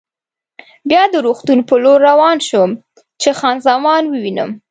بیا د روغتون په لور روان شوم چې خان زمان ووینم.